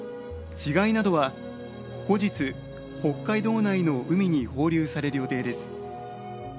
稚貝などは後日、北海道内の海に放流される予定です。